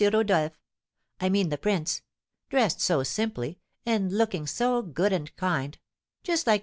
Rodolph I mean the prince dressed so simply, and looking so good and kind just like the M.